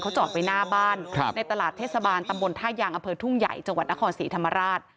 จอดไปหน้าบ้านในตลาดเทศบาลตำบลท่ายางอำเภอทุ่งใหญ่จังหวัดนครศรีธรรมราช